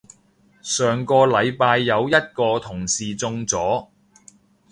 上個禮拜有一個同事中咗